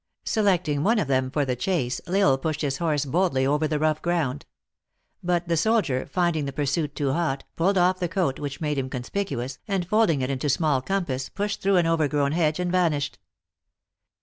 Selecting one ot them for the chase, L Isle pushed his horse boldly over the rough ground. But the soldier, finding the pursuit too hot, pulled off the coat which made him conspicuous, and folding it into small compass, pushed through an overgrown hedge and vanished.